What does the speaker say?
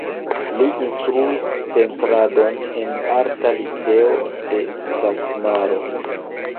Li instruis pentradon en Arta liceo de Satmaro.